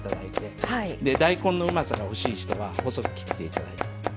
大根のうまさが欲しい人は細く切って頂いて。